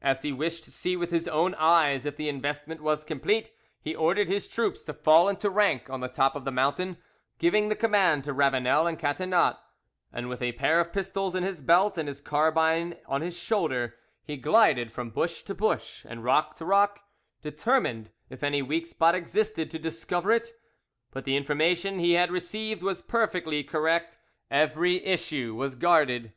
As he wished to see with his own eyes if the investment was complete, he ordered his troops to fall into rank on the top of the mountain, giving the command to Ravanel and Catinat, and with a pair of pistols in his belt and his carbine on his shoulder, he glided from bush to bush and rock to rock, determined, if any weak spot existed, to discover it; but the information he had received was perfectly correct, every issue was guarded.